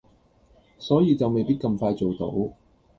所以就未必咁快做到